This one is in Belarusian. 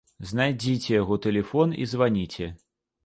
Знайдзіце яго тэлефон і званіце.